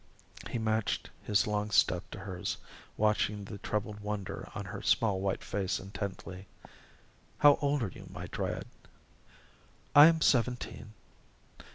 He matched his long step to hers, watching the troubled wonder on her small white face intently. "How old are you, my Dryad?" "I am seventeen."